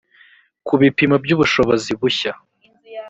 ku bipimo by ubushobozi bushya